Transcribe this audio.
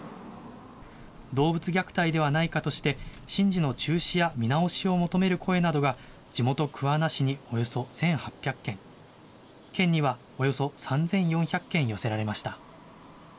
動物虐待ではないかとして、神事の中止や見直しを求める声などが地元、桑名市におよそ１８００件、県にはおよそ３４００件寄せられました。